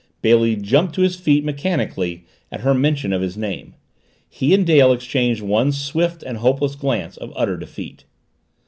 Bailey jumped to his feet mechanically at her mention of his name. He and Dale exchanged one swift and hopeless glance of utter defeat.